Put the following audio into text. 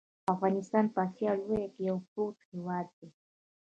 افغانستان په اسیا لویه کې یو پروت هیواد دی .